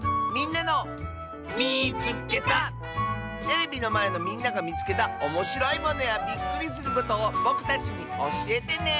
テレビのまえのみんながみつけたおもしろいものやびっくりすることをぼくたちにおしえてね！